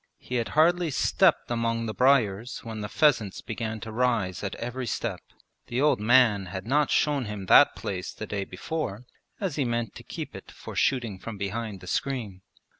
He had hardly stepped among the briers when the pheasants began to rise at every step (the old man had not shown him that place the day before as he meant to keep it for shooting from behind the screen).